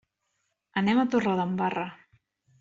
Anem a Torredembarra.